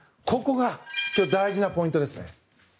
ここが今日大事なポイントです。